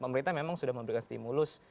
pemerintah memang sudah memberikan stimulus